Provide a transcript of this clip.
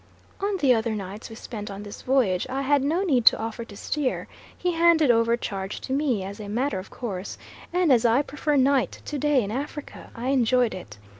On the other nights we spent on this voyage I had no need to offer to steer; he handed over charge to me as a matter of course, and as I prefer night to day in Africa, I enjoyed it.